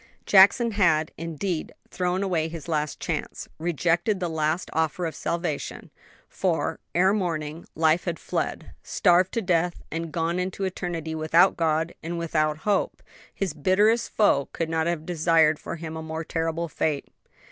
Jackson had, indeed, thrown away his last chance; rejected the last offer of salvation; for, ere morning, life had fled. Starved to death and gone into eternity without God and without hope! his bitterest foe could not have desired for him a more terrible fate.